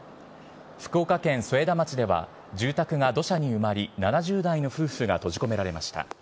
福岡県添田町では、住宅が土砂に埋まり、７０代の夫婦が閉じ込められました。